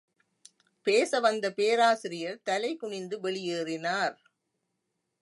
பேசவந்த பேராசிரியர் தலை குனிந்து வெளியேறினார்.